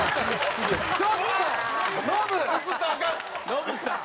ノブさん！